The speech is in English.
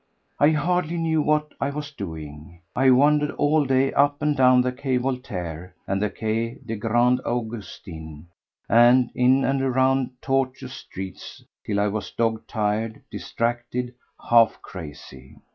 I hardly knew what I was doing. I wandered all day up and down the Quai Voltaire, and the Quai des Grands Augustins, and in and around the tortuous streets till I was dog tired, distracted, half crazy.